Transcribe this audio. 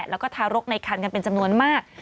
แล้วก็ทารกในคันกันเป็นจำนวนมาก